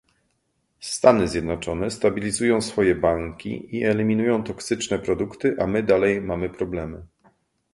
Stany Zjednoczone stabilizują swoje banki i eliminują toksyczne produkty, a my dalej mamy problemy